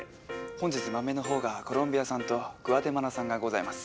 本日豆のほうがコロンビア産とグアテマラ産がございます。